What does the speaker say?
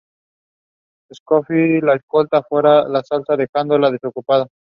Scotty lo escolta fuera de la sala dejándola desocupada.